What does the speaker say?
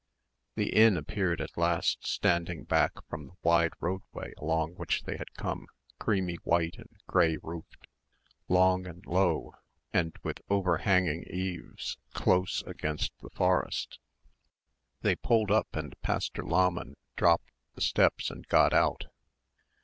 The inn appeared at last standing back from the wide roadway along which they had come, creamy white and grey roofed, long and low and with overhanging eaves, close against the forest. They pulled up and Pastor Lahmann dropped the steps and got out.